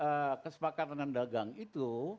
kalau dengan model kesepakatan dan dagang itu